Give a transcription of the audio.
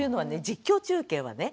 実況中継はね